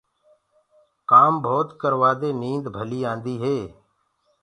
ڪآم ڀوت ڪروآ دي نيند ڀليٚ آندي هي۔